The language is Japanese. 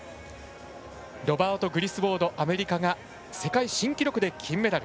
ロバート・グリスウォードアメリカが世界新記録で金メダル。